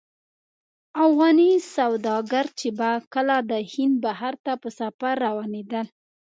افغاني سوداګر چې به کله د هند بحر ته په سفر روانېدل.